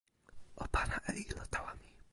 o pana e ilo tawa mi